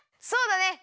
そうだね！